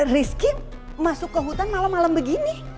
rizky masuk ke hutan malam malam begini